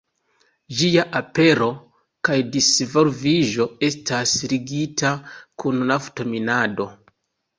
Ĝia apero kaj disvolviĝo estas ligita kun nafto-minado.